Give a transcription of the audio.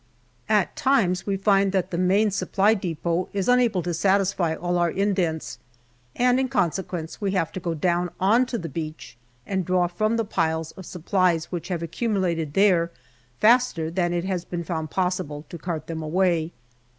At times we find that the Main Supply depot is unable to satisfy all our indents, and in consequence we have to go down on to the beach and draw from the piles of supplies which have accumulated there faster than it has been found possible to cart them away.